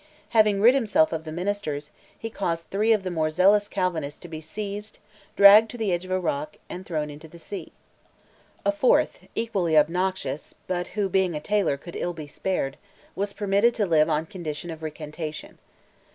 Having rid himself of the ministers, he caused three of the more zealous Calvinists to be seized, dragged to the edge of a rock, and thrown into the sea. A fourth, equally obnoxious, but who, being a tailor, could ill be spared, was permitted to live on condition of recantation.